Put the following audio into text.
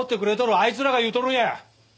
あいつらが言うとるんや。